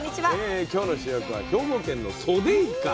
今日の主役は「兵庫県のソデイカ」。